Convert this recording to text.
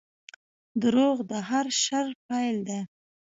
• دروغ د هر شر پیل دی.